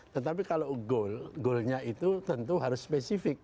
tetapi kalau goal goalnya itu tentu harus spesifik